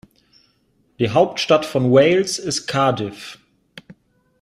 Die Hauptstadt von Wales ist Cardiff.